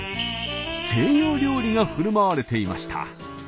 西洋料理がふるまわれていました。